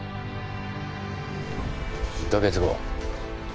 ２カ月後？